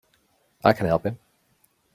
I can help him!